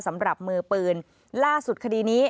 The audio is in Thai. สำหรับมือปืนล่าสุดคดีนี้